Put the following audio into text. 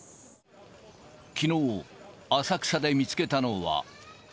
きのう、浅草で見つけたのは。